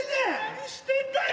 何してんだよ！